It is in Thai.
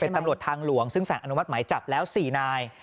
ตำรวจทางหลวงซึ่งสารอนุมัติหมายจับแล้ว๔นาย